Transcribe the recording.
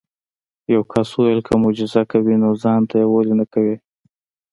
یو کس وویل که معجزه کوي نو ځان ته یې ولې نه کوې.